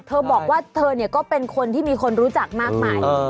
เธอบอกว่าเธอเนี่ยก็เป็นคนที่มีคนรู้จักมากมาย